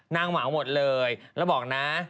นางหมวงหมดเลยแล้วบอกนะ